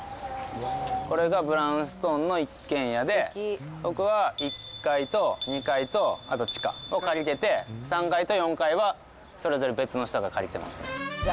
これがブラウンストーンの一軒家で、僕は１階と２階と、あと地下を借りてて、３階と４階は、それぞれ、別の人が借りてますね。